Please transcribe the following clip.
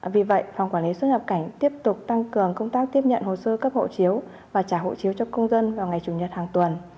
vì vậy phòng quản lý xuất nhập cảnh tiếp tục tăng cường công tác tiếp nhận hồ sơ cấp hộ chiếu và trả hộ chiếu cho công dân vào ngày chủ nhật hàng tuần